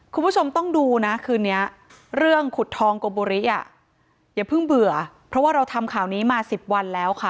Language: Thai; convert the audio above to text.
คุณผู้ชมต้องดูนะคืนนี้เรื่องขุดทองโกบุริอ่ะอย่าเพิ่งเบื่อเพราะว่าเราทำข่าวนี้มาสิบวันแล้วค่ะ